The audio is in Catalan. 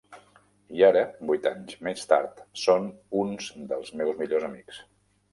I ara, vuit anys més tard, són uns dels meus millors amics.